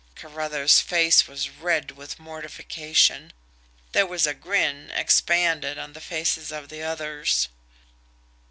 Carruthers' face was red with mortification. There was a grin, expanded, on the faces of the others.